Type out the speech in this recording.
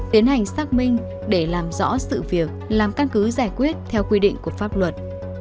tiến hành xác minh để làm rõ sự việc làm căn cứ giải quyết theo quy định của pháp luật